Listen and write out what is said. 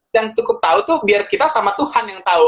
cukup tahu tuh biar kita sama tuhan yang tahu